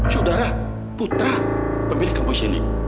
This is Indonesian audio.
saudara putra pemilik kampus ini